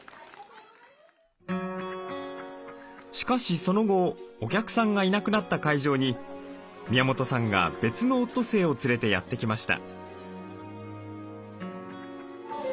しかしその後お客さんがいなくなった会場に宮本さんが別のオットセイを連れてやって来ました。